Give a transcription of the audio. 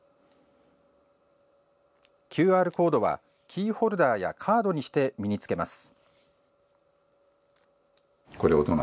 ＱＲコードは、キーホルダーやカードにして身に着けます。